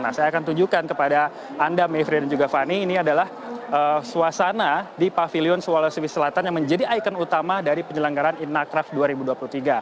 nah saya akan tunjukkan kepada anda mevri dan juga fani ini adalah suasana di pavilion sulawesi selatan yang menjadi ikon utama dari penyelenggaran inacraft dua ribu dua puluh tiga